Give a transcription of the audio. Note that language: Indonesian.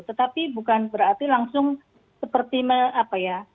tetapi bukan berarti langsung seperti apa ya